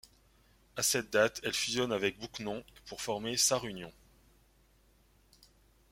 À cette date, elle fusionne avec Bouquenom pour former Sarre-Union.